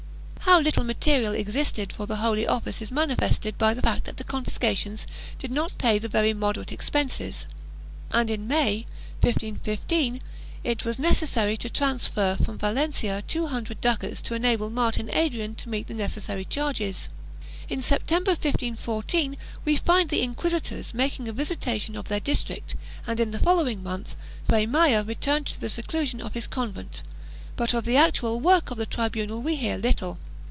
How little material existed for the Holy Office is manifested by the fact that the confiscations did not pay the very moderate expenses and in May, 1515, it was necessary to transfer from Valencia two hundred ducats to enable Martin Adrian to meet the necessary charges. In September, 1514, we find the inquisitors making a visitation of their district and, in the following month, Fray Maya returned to the seclusion of his convent, but of the actual work of the tribunal we hear little.